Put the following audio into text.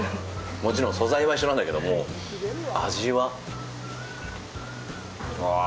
もちろん、素材は一緒なんだけども、味はうわぁ。